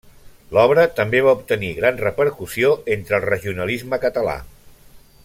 L'obra també va obtenir gran repercussió entre el regionalisme català.